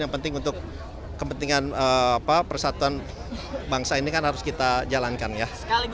yang penting untuk kepentingan persatuan bangsa ini kan harus kita jalankan ya